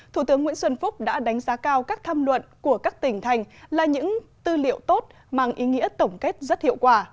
thủ tướng nguyễn xuân phúc đã đánh giá cao các tham luận của các tỉnh thành là những tư liệu tốt mang ý nghĩa tổng kết rất hiệu quả